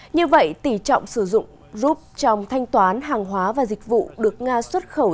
như vậy tỷ trọng sử dụng group trong thanh toán hàng hóa và dịch vụ được nga xuất khẩu